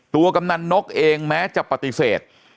กำนันนกเองแม้จะปฏิเสธ